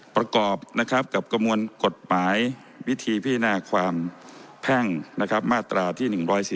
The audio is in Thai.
ประกอบนะครับกับกระมวลกฎหมายวิธีพิจารณาความแพ่งมาตราที่๑๔